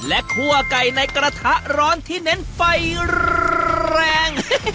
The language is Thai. และคั่วไก่ในกระทะร้อนที่เน้นไฟแรง